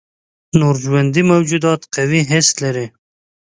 نور ژوندي موجودات قوي حس لري.